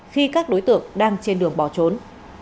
khi các đối tượng đang trên đường bỏ trốn